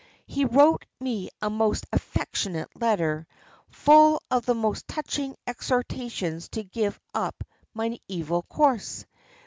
He wrote me a most affectionate letter, full of the most touching exhortations to give up my evil course.